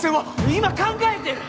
今考えてる！